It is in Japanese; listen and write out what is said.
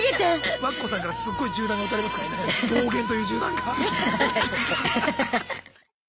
和歌子さんからすっごい銃弾が撃たれますからね暴言という銃弾が。